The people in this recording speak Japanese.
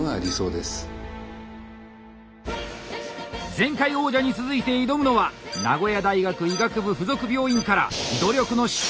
前回王者に続いて挑むのは名古屋大学医学部附属病院から努力の執刀